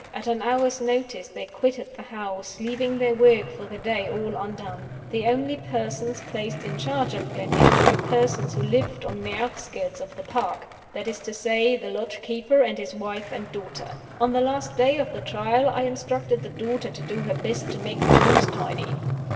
At an hour's notice, they quitted the house, leaving their work for the day all undone. The only persons placed in charge of Gleninch were persons who lived on the outskirts of the park that is to say, the lodge keeper and his wife and daughter. On the last day of the Trial I instructed the daughter to do her best to make the rooms tidy.